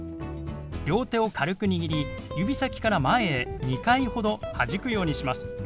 両手を軽く握り指先から前へ２回ほどはじくようにします。